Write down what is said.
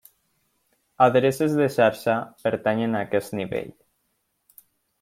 Adreces de xarxa pertanyen a aquest nivell.